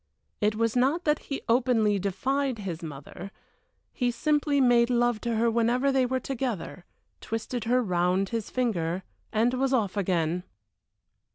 It was not that he openly defied his mother he simply made love to her whenever they were together, twisted her round his finger, and was off again.